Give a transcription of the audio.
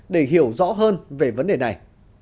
để hiểu rõ hơn về vấn đề này